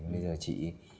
bây giờ chị